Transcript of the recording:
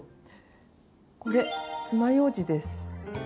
これつまようじです。